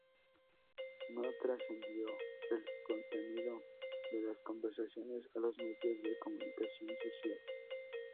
No trascendió el contenido de las conversaciones a los medios de comunicación social.